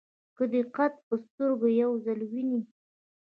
که دې قد په سترګو یو ځل وویني.